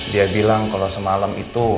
dia bilang kalau semalam itu